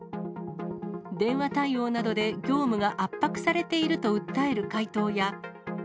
電話対応などで業務が圧迫されていると訴える回答や。